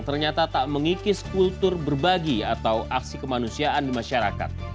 ternyata tak mengikis kultur berbagi atau aksi kemanusiaan di masyarakat